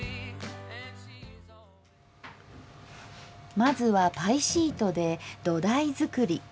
まずはパイシートで土台作り。